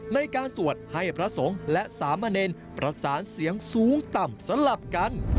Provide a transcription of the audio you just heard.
ในการสวดให้พระสงฆ์และสามเณรประสานเสียงสูงต่ำสลับกัน